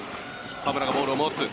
河村がボールを持つ。